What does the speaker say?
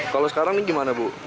kalau sekarang ini gimana bu